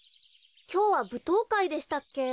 きょうはぶとうかいでしたっけ？